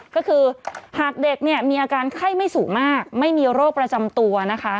ก็คือหากเด็กเนี่ยมีอาการไข้ไม่สูงมากไม่มีโรคประจำตัวนะคะ